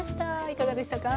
いかがでしたか？